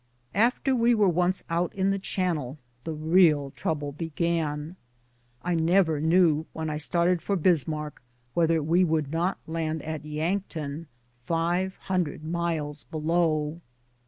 After we were once out in the channel the real trou ble began. I never knew, when I started for Bismarck, whether we would not land at Yankton, five hundred miles below.